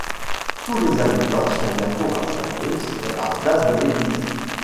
Tous les habitants sont bientôt rassemblés sur la place de l'église.